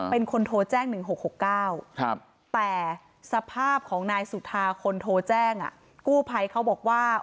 เป็นคนโทรแจ้ง๑๖๖๙แต่สภาพของนายสุธาคนโทรแจ้งกู้ภัยเขาบอกว่า